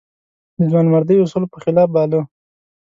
د ځوانمردۍ اصولو په خلاف باله.